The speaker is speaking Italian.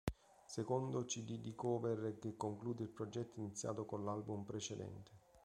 Secondo cd di cover che conclude il progetto iniziato con l'album precedente.